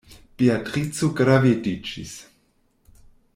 Beatrico gravediĝis.